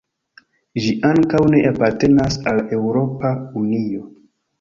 Ĝi ankaŭ ne apartenas al Eŭropa Unio.